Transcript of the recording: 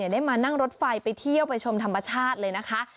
ได้มานั่งรถไฟไปเที่ยวไปชมธรรมชาติเลยนะคะ